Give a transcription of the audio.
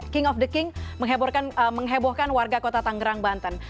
king of the king menghebohkan warga kota tangerang banten